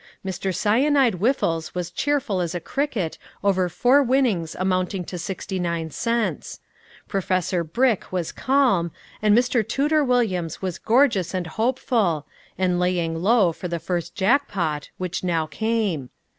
Mr. Cyanide Whiffles was cheerful as a cricket over four winnings amounting to sixty nine cents; Professor Brick was calm, and Mr. Tooter Williams was gorgeous and hopeful, and laying low for the first jackpot, which now came.